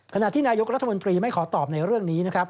ขณะที่นายกรัฐมนตรีไม่ขอตอบในเรื่องนี้นะครับ